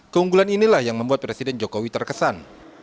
keunggulan inilah yang membuat presiden jokowi terkesan